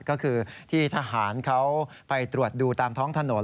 ก็คือที่ทหารเขาไปตรวจดูตามท้องถนน